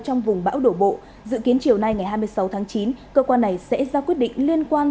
trong vùng bão đổ bộ dự kiến chiều nay ngày hai mươi sáu tháng chín cơ quan này sẽ ra quyết định liên quan